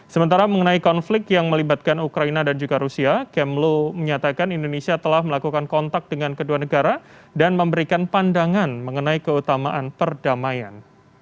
sementara mengenai konflik yang melibatkan ukraina dan juga rusia kemlo menyatakan indonesia telah melakukan kontak dengan kedua negara dan memberikan pandangan mengenai keutamaan perdamaian